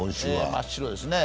真っ白ですね。